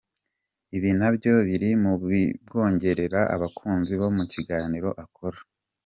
Ibi nabyo biri mu bimwongerera abakunzi mu kiganiro akora.